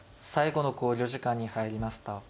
最後の考慮時間に入りました。